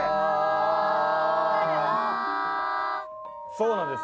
そうなんです。